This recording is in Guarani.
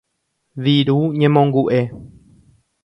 Viru ñemongu'e.